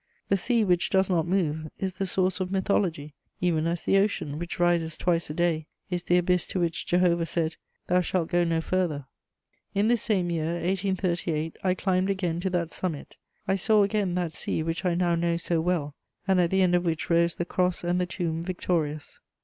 The sea, which does not move, is the source of mythology, even as the ocean, which rises twice a day, is the abyss to which Jehovah said: "Thou shalt go no farther." In this same year, 1838, I climbed again to that summit; I saw again that sea which I now know so well, and at the end of which rose the Cross and the Tomb victorious.